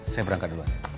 saya berangkat dulu